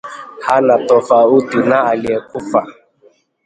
hana tofauti na aliyekufa